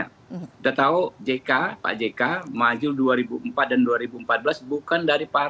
kita tahu jk pak jk maju dua ribu empat dan dua ribu empat belas bukan dari pak